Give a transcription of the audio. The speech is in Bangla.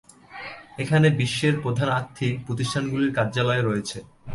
এখানে বিশ্বের প্রধান আর্থিক প্রতিষ্ঠানগুলির কার্যালয় আছে।